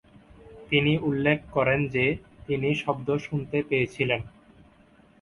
তিনি উল্লেখ করেন যে, তিনি শব্দ শুনতে পেয়েছিলেন।